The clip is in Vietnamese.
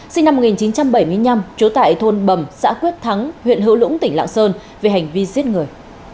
sinh năm một nghìn chín trăm bảy mươi năm trú tại thôn bầm xã quyết thắng huyện hữu lũng tỉnh lạng sơn về hành vi giết người